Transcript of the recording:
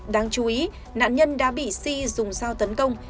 đáng chú ý nạn nhân đã bị c dùng sao tấn công